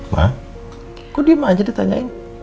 pak kok diem aja ditanyain